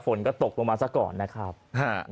ฝนก็ตกลงมาซะก่อนนะครับ